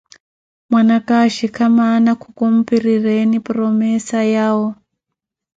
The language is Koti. Mwana aka axhikha mana khukumpirireeni promesa yawo.